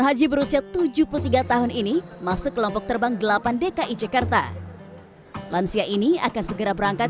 haji berusia tujuh puluh tiga tahun ini masuk kelompok terbang delapan dki jakarta lansia ini akan segera berangkat